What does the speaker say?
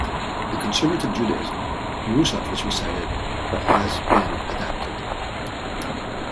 In Conservative Judaism, Mussaf is recited but has been adapted.